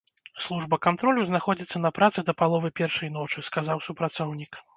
Служба кантролю знаходзіцца на працы да паловы першай ночы, сказаў супрацоўнік.